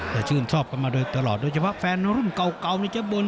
แต่ชื่นชอบกันมาโดยตลอดโดยเฉพาะแฟนรุ่นเก่านี่จะบ่น